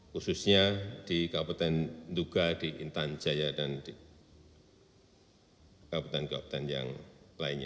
khususnya di kabupaten nduga di intan jaya dan di kabupaten kabupaten yang lainnya